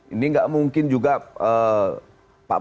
ini nggak mungkin juga pak prabowo mau sembarangan lah ya